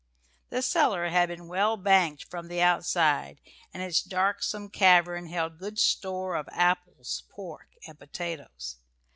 The cellar had been well banked from the outside, and its darksome cavern held good store of apples, pork, and potatoes.